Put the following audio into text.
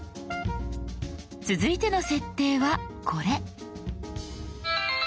続いての設定はこれ。